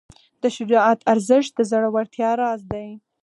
د شجاعت ارزښت د زړورتیا راز دی.